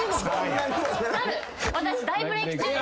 私大ブレーク中です。